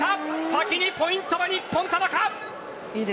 先にポイントは日本、田中。